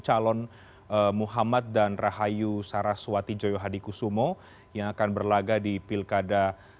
calon muhammad dan rahayu saraswati joyo hadi kusumo yang akan berlaga di pilkada